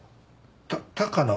た高野。